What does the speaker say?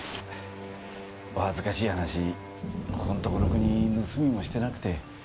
お恥ずかしい話ここのところくに盗みもしてなくて。